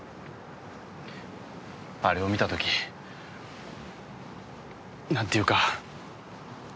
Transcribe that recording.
あれを見た時なんていうか。